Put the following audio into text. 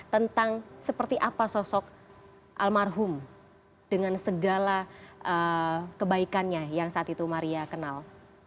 tentang seperti apa sosok almarhum dengan segala kebaikannya yang saat itu maria kenal